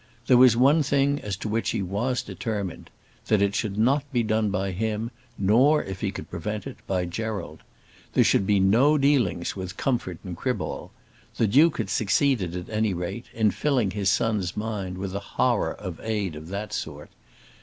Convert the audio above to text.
There was one thing as to which he was determined, that it should not be done by him, nor, if he could prevent it, by Gerald. There should be no dealings with Comfort and Criball. The Duke had succeeded, at any rate, in filling his son's mind with a horror of aid of that sort.